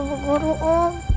ini bu guru om